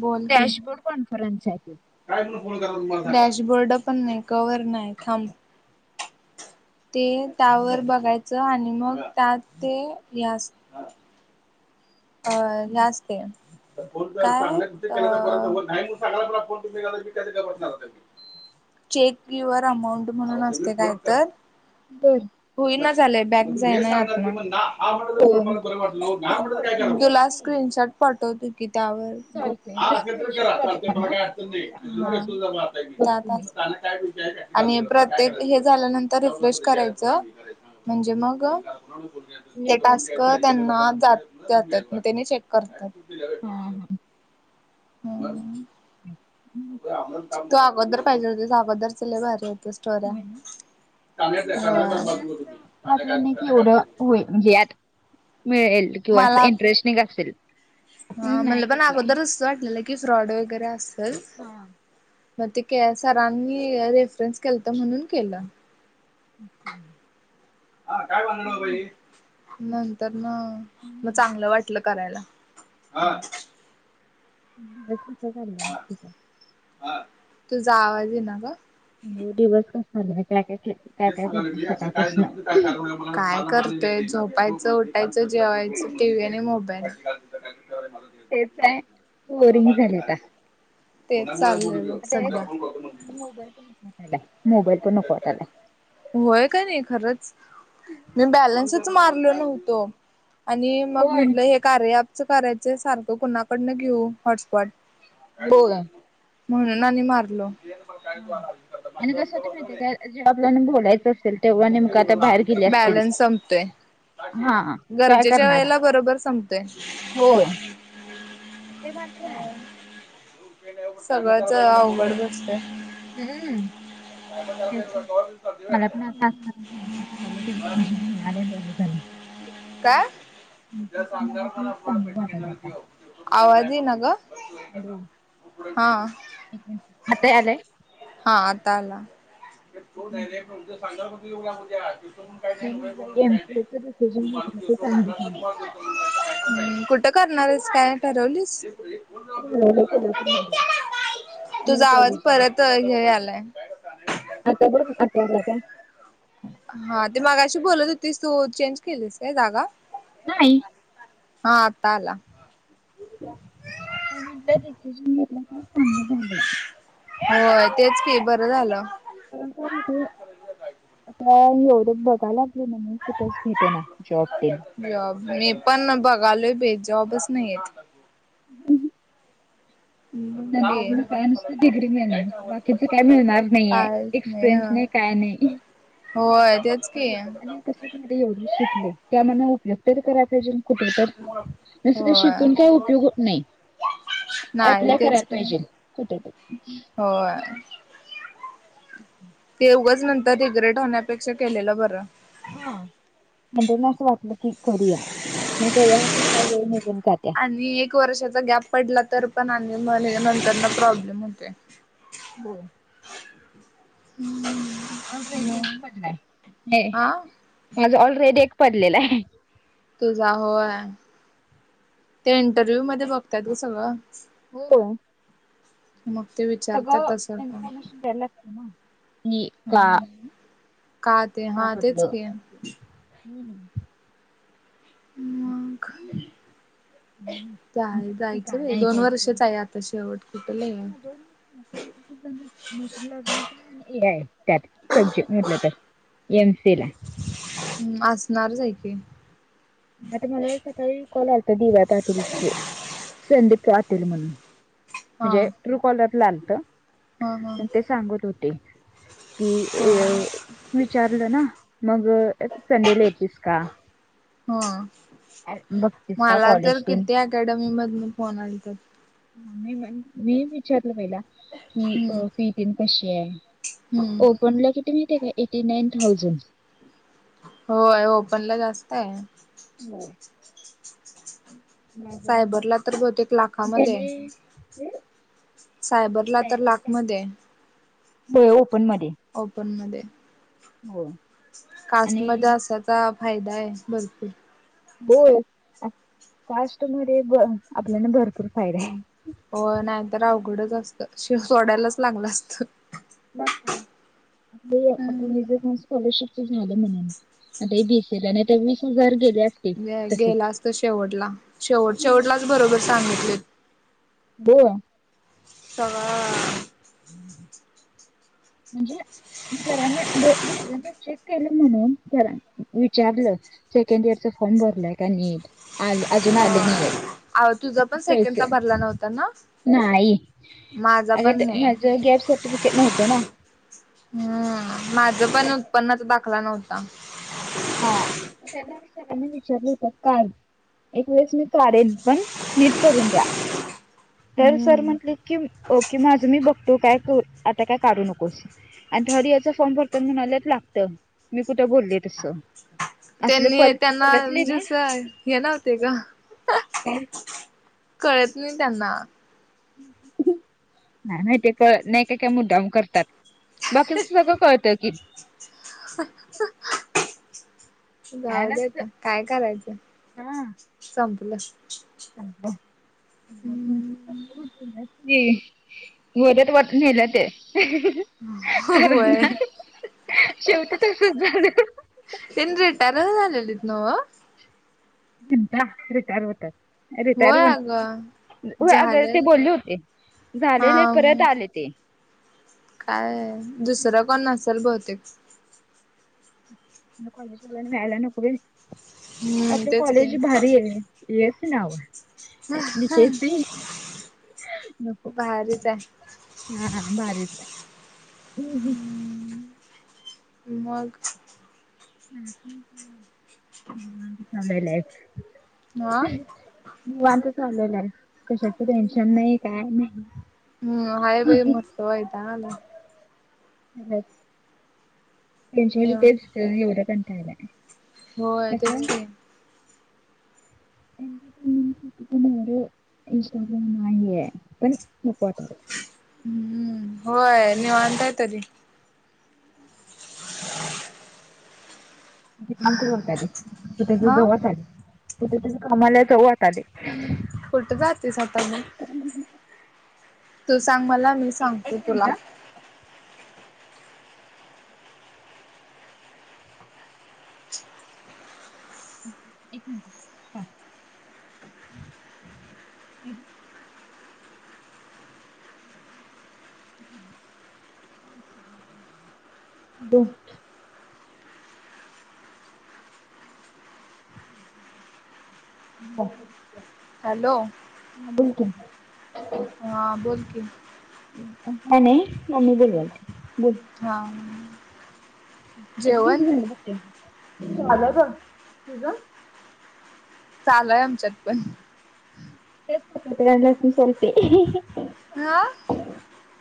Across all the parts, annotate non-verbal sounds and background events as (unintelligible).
बोल ते dashboard conference आहे ते. डॅशबोर्ड पण नाइ कवर नाइ खांब ते त्यावर बघायचं आणि मग त्यात ते यास अ हे असते. काय अं चेक युवर म्हणून असते काय तर हुईना झालेय बॅग जाईना यात न मट पात होय. ना हे पण मट मी बघितलं होत तुला नाहीये. स्क्रीनशॉट पाठव ते की त्यावर बघ चालतंय मग स्क्रीनशॉट पाठव मला व्हॉट्सअप बघते मी. (unintelligible) आणि हा, प्रत्येक हे झाल्यानंतर रिफ्रेश करायचं म्हणजे मग न्यू ते टास्क येतात. त्यांना जात जात्यात. तेनी चेक करतात. हा हा. हम्म. हा. तू अगोदर पाहिजे होतीस अगोदरच लय भारी होत्या स्टोऱ्या होय ना. हा नाही म्हणजे असं मला असं वाटलं नाही की आ. एवढं होईल म्हणजे यात मिळेल किंवा असं मला इंटरेस्टिंग असेल. ह नाही म्हणलं पण घेतलाय. अगोदर अस वाटलेलं की फ्रॉड वैगरेे असलं हा म ते सरांनी रेफरन्स केलं त म्हणून केलं. अच्छा. नंतर म हम्म. चांगलं वाटलं करायला. हा (unintelligible) तुझ तुझा आवाज इना गं दिवस कसा चालाय काय काय के- काय काय करतेस सकाळपासनं? काय करते झोपायचं च उटायच जेवायचं टीव्ही आणि मोबाईल तेच काय बोरिंग झाले आता तेच चाललंय बघ सध्या. त्यावेळेस मोबाईल पण नको वाटालाय मोबाईल पण नको वाटालाय. होय का नाही खरचं मी बॅलन्सच मार - व्हवतो आणि मगं होय म्हणलं हे कार्या - करायचं सारखं कुणाकडनं घेऊ हॉटस्पॉट. होय. म्हणून आणि मारलो. हा आणि कसं माहितीयं क जे आपल्याला बोलायचं. असेल तेव्हा नेमकं आता बाहेर गेले असतील बॅलन्स संपतोयं. हा काय गरजेच्या करणार वेळेला बरोबर संपतोयं. होय ते मात्र आहे. सगळंच अवघड बसतयं. हम्म. तेच ना मला पण आता असं (inaudible) वाटायलय म्हणजे घेणार आहे बरं झालं. (inaudible) काय? चांगलं वाटायलय आता आवाज येईना गं. हॅलो हा एक मिनिट आता यायलय हा आता आला. एक तो मिनिट डयरेक्ट म्हण सांगाा्या (unintelligible) (unintelligible) (inaudible) ते चांगलं झालं. हम् कुठं करणारं आहेस कायं ठरवलीस? मी राहिलो कोल्हापूरमध्ये न्यू तुझा आवाज कॉलेजला परत हे यायलायं. आता बघा आता आला का. हा ते मगाशी बोलत होतीस तू चेंज केलीस काय जागा. नाही. हा आता आला. हे म्हटलं. (inaudible) झालं होय तेच की बरं झालं. कारण काय माहितीये, एवढं बघाल्यात. हो ना मगं कुठचं भेटना जॉब. जॉब मी पण बघालोय जॉबच नाही आहेत. (inaudible) हम्म, ते नंतर का डिग्री मिळणार बाकीच काही मिळणार नाही कायच एक्स्पिरियन्स ह नाही का- (inaudible) होय. तेच की. म्हणजे अ कशी एवढी शिकलेय त्यामाननन उपयोग तरी करायला. अजून कुठे तरं नुसतं होय शिकून काय उपयोग होत नाही. नाही ॲप्लाय तेच करायला की. पाहिजे कुठ तरी. होय ते उघंच नंतर रिग्रेट होण्यापेक्षा केलेलं बरं. हा म्हणजे ना असं वाटलं की. करूया मगं तेव्हा तर काय वेळ निघून जात्या. आणि एक वर्षाचा गॅप पडला तर पण आणि मगं नंतर ना प्रॉब्लेम होतेयं. बरं. ऑलरेडी एक पडला आहे. हा माझ ऑलरेडी एक पडलेला आहे. तुझा होय ते इंटरव्ह्यू मध्ये बघतात गं सगळं. होयं. मग ते विचारतात सगळं तसं पण. इन्फॉर्मेशन द्यायला. कि का. ते का हा तेच पडला? की हम्म. मगं. हम्म. (inaudible) दोन वर्षच आहे आता शेवट कुठं लय आहे. मशीन ला अजून त्यात (inaudible) मधलं तर एमसी ला हम्म असणारच आहे की आता मला एक सकाळी कॉल आलता दिव्या पाटील ची संधीप पाटील म्हणून हा म्हणजे ट्रू कॉलर ला आलत हा हा पण ते सांगत होते कि ए हा विचारलं ना मग संडेला येेतीस का हम बघतीस का मला तर कॉलेज तेन किती अकॅडमी मधन फोन आलते मी मी विचारलं पहिला की हम्म पीटीन कशी आहे ओपन ला किती (inaudible) थाउजंड हो आय ओपन ला जास्त हाय बर सायबरला तर बहुतेक लाखामध्ये हाय त्याने सायबरला सायबरला तर लाखमध्ये आहे बेउप ओपन मध्ये हो कास्ट आणि मध्ये असाचा फायदा आहे भरपूर बोळ कास्ट मध्ये ब आपल्याना भरपूर फायदा आहे तर अवघडच असत शिव सोडायलाच लागलं असत बाकी काय म्हणता ते आपलं (unintelligible) स्कॉलरशिपच झालं म्हणून आता बीसीला नाही तर वीस हजार गेले असते तसंच गेलास तर शेवटला शेवट शेवटलाच बरोबर सांगितलेत बो सांग म्हणजे सरांन दुसऱ्याच चेक केलेत म्हणून विचारलं सेकंड इयरच फॉर्म भरलाय का नीट आल अजून आले नाहीत अव तुझा पण सेकंडदा भरला नव्हता ना नाही माझा अग पण नाही माझ गॅस सर्टिफिकेट नव्हतं ना हम्म माझं पण उत्पन्नाचा दाखला नव्हता त्यानी विचारलं होतं काय एक वेळेस मी स्वारेन पण नीट करून द्या तर सर हम्म म्हंटले की ओके माझं मी बघतो काय आता काय काढू नकोस आणि थर्ड एयरच फॉर्म भरताना म्हणायलाच लागतं मी कुठं बोलले तसं असले त्यांनी पल त्यांना पलटले म्हणजे असं हे नव्हते का का कळत नाही त्यांना नाही नाही ते कळत नाही काय काय मुद्दाम करतात बाकीच सगळं कळतंय की हस स काय जाऊदे नसत आता काय करायचं संपलं हंप वरत वाटुन नेल्या ते कारण होय ना शेवटी तसच झालं तिनरी टरहललित नव पींदा रिटायर होतायत रिटायर होय होणार अगं होय अग ते झालेल बोलली होती हा झालेले परत आले ते काय दुसर कोण नसेल बहुतेक कॉलेजवाल्याना न्यायाला नको होय हम्म आपल तेच की कॉलेज भारीये नाव केस भारीच आहे हा हा भारीच हम्म हम् मग हम् हम् ह हा निवांत चाललेलं आहे कशाच टेन्शन नाही काय हम्म हाय बाई नाही मस्त वैताग आलाय त्यांची म्हणजे तेच एवढतणतालाय होय तेच का अ ह इंस्टाग्राम नाहीये हम्म्म होय निवांताय तरी काम करत आले त त्याच्या अ जवळात आले त्याच्या कामाला जवळात आले कुट जाते स् आतना तू सांग मला मी एक एक सांगतो मिनिट तुला हा. एक मिनट दुख ब हॅलो हा बोलकी नाही नाही मम्मी ब बलते हा जेवण लंय ग तुझा चालूय आमच्यात पण तेचत गडासून सलते हा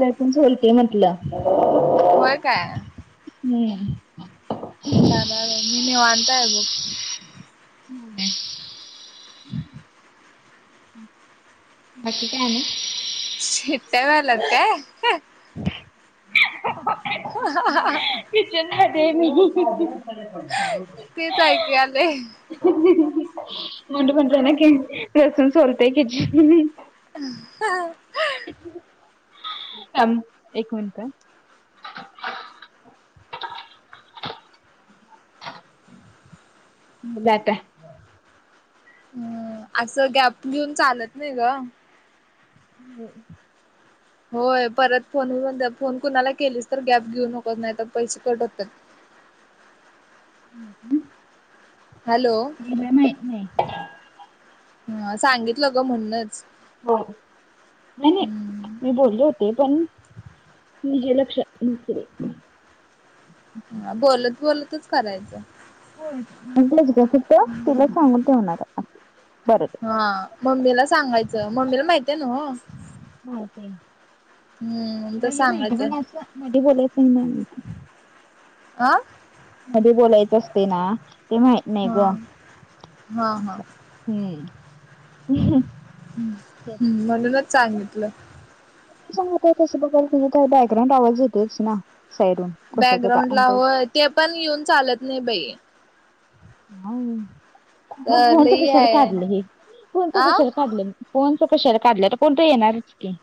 लसूण सोलते म्हटलं होय काय हम्म काही नाही मी निवांत हाय बघ हो का बाकी काय नाही शिटटे वाला का ह ते म तेच ऐक आले मुंड म्हण ना क लसून सोलते कि ज आ एक मिनट म जात असं गॅप घेऊन चालत नाही ग हम् होय परत फोन फोन कुणाला केलीच तर गॅप घेऊन होकत नाही तर पैसे कटतात ह हम् हम्म हॅलो नाही नाही हा सांगितलं ग म्हणणच हो नाही नाही मी हम्म बोललो होत ते पण जे लक्षातस बोलत बोलतच करायचं. होलंच ग फक्त तुला सांगून ठेवणार हाय. हा. मम्मीला सांगायचं. मम्मीला माहितीयं नव्हं. माहितीयं तिला तर हे माहिती सांगायचं पण मध्ये बोलायचं नाही म. आं. मध्ये बोलायचं असतय ना ते माहित नाही हा ग. हा हा अच्छा, ह. हम्. हम. म्हणूनच सांगितलं. सांगताय तसं बघाय तर बॅकग्राउंड आवाज येतोच ना. साईडून कशाचा बॅग्राउंड ला अंदाज होय ते पण येऊन चालत नाही बाई ह मग फोनचं लई कशाल आहे काढलं हे फोनच आ कुशाला काढले म. फोनचं कशाला काढलं तर फोन तर येणारच की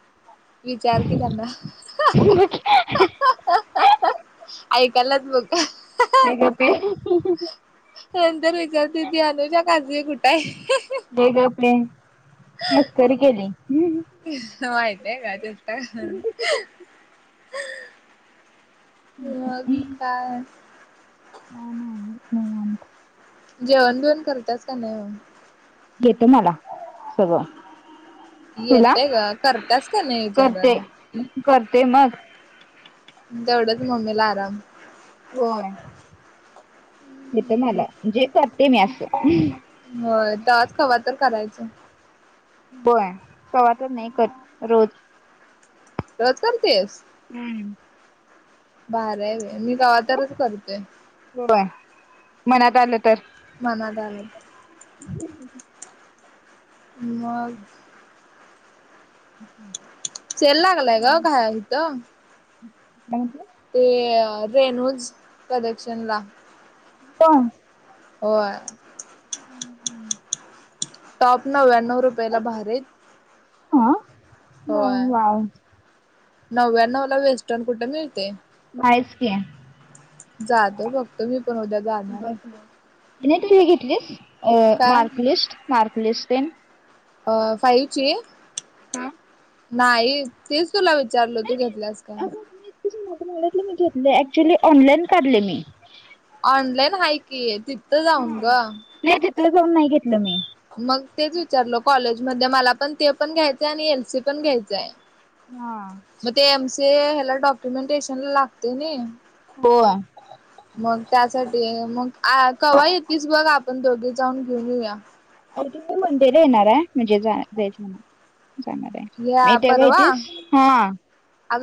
विचार की त्यांना. ऐक. कलाच ब गप ये. ए तर विचारते ती अनुजा काजूवे कुठाय? ये गप्प रे मस्करी केली ते काय चेष्टा - - मगं काय? ह नाम म आमत. जेवण बेवण करत्यास काय नाही मग? येत मला सगळं. तुला येतय ग करत्यास काय नाही करते विचारालोय करते मग तेवढंच मम्मीला आराम. येत मला जे करते मी अस. होय. (unintelligible) कवा तर करायच. होय. कवातर नाही रोज. रोज करतेस? हम्म. भारी हाय बाई मी कवातरच करतोय. होय मनात आलं तर. मना झाल (unintelligible) मग. हम्म. सेल लागलाय ग इथ काय म्हटलं? ते रेनूज कलेक्शनला प होय. हम्म हम्म टॉप नव्याण्णव रुपयाला भारी हाईत. हा. मग होय वाव! नव्याण्णव ला वेस्टर्न कुठे मिळते बाईच की. जातो बघतो मी पण उद्या जाणार आहे लीस अ मार्कलिस्ट, मार्कलिस्टतेन अ फाईलची. हा नाही. तेच तुला विचारल तू घेतल्यास काय? माझ मला मी घेतले क्च्युली ऑनलाइन काढले मी. ऑनलाईन आहे कि आहे तिथं जाऊन गं. तिथ जावून नाही घेतलं मी. मगं तेच विचारल कॉलेज मध्ये मला पण ते पण घ्यायचंय आणि एल सी पण घ्यायचंय. हा. ते ह्याला डॉक्युमेंटेशन लागते नाही. होयं. मगं त्यासाठी मगं आ कवा येतीस बघ आपण दोघी जाऊन घेऊन येऊया. (unintelligible) मंदिर येणार आहे म्हणजे जायच म्हणा - जाणार आहे या मगं तेव्हा परवा येतीसं. हा. अग